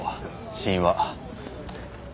死因は。